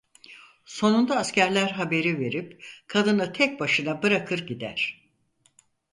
Sonunda askerler haberi verip kadını tek başına bırakır gider.